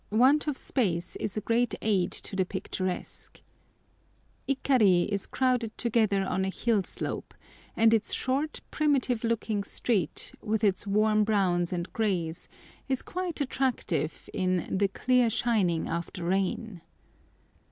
Want of space is a great aid to the picturesque. Ikari is crowded together on a hill slope, and its short, primitive looking street, with its warm browns and greys, is quite attractive in "the clear shining after rain."